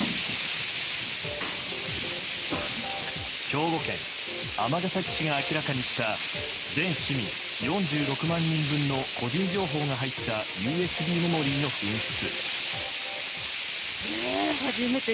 兵庫県尼崎市が明らかにした全市民４６万人分の個人情報が入ったＵＳＢメモリーの紛失。